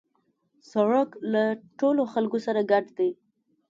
سړک له ټولو خلکو سره ګډ دی.